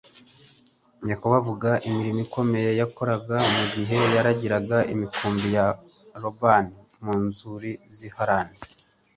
Yakobo avuga imirimo ikomeye yakoraga mu gihe yaragiraga imikumbi ya Labani mu nzuri z'i Harani,